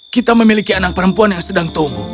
kita memiliki anak perempuan yang sedang tumbuh